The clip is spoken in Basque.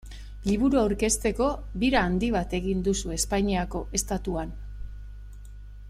Liburua aurkezteko bira handi bat egin duzu Espainiako Estatuan.